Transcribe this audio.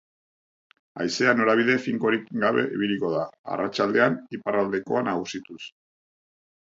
Haizea norabide finkorik gabe ibiliko da, arratsaldean iparraldekoa nagusituz.